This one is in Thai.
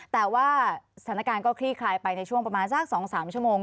แต่ว่าสถานการณ์ก็คลี่คลายไปในช่วงประมาณสัก๒๓ชั่วโมง